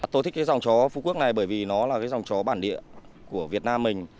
tôi thích giống chó phú quốc này bởi vì nó là giống chó bản địa của việt nam mình